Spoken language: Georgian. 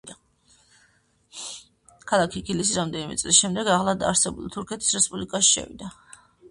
ქალაქი ქილისი რამდენიმე წლის შემდეგ ახლად დაარსებულ თურქეთის რესპუბლიკაში შევიდა.